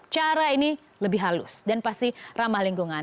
cara ini lebih halus dan pasti ramah lingkungan